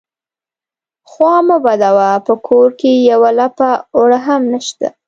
_خوا مه بدوه، په کور کې يوه لپه اوړه هم نشته.